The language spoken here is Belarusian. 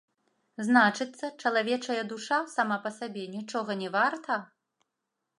Значыцца, чалавечая душа, сама па сабе, нічога не варта?